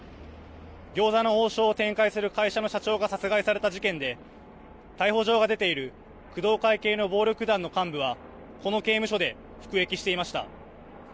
餃子の王将を展開する会社の社長が殺害された事件で逮捕状が出ている工藤会系の暴力団の幹部はこの刑務所で服役していました。